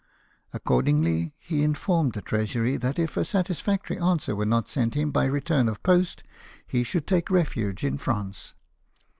Accordingly, he informed the Treasury that if a satisfactory answer were not sent him by return of post he should take refuge in France.